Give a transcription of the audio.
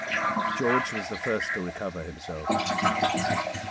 George was the first to recover himself.